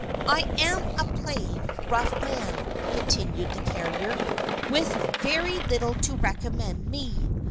"I am a plain, rough man," continued the carrier, "with very little to recommend me.